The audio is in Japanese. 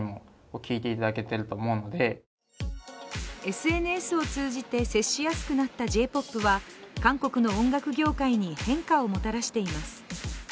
ＳＮＳを通じて接しやすくなったＪ‐ＰＯＰは韓国の音楽業界に変化をもたらしています。